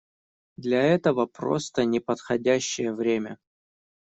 Для этого просто не подходящее время.